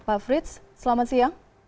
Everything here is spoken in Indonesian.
pak frits selamat siang